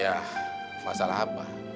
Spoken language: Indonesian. ya masalah apa